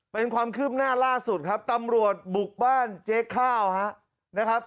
เป็นความคืบหน้าล่าสุดครับตำรวจบุกบ้านเจ๊ข้าวนะครับ